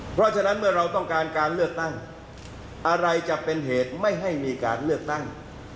เพราะฉะนั้นเมื่อเราต้องการการเลือกตั้งอะไรจะเป็นเหตุไม่ให้มีการเลือกตั้ง